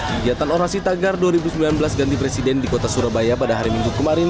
kegiatan orasi tagar dua ribu sembilan belas ganti presiden di kota surabaya pada hari minggu kemarin